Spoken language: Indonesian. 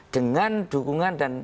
dengan dukungan dan